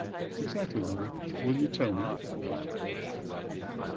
"Exactly, mother. Will you tell me?"